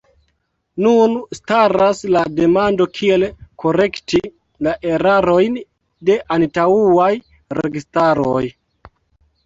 Nun staras la demando kiel korekti la erarojn de antaŭaj registaroj.